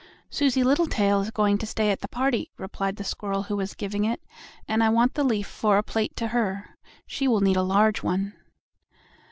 "Susie Littletail is going to stay to the party," replied the squirrel who was giving it, "and I want the leaf for a plate for her. She will need a large one."